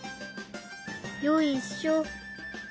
よいしょ。